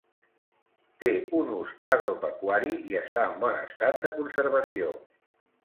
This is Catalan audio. Té un ús agropecuari i està en bon estat de conservació.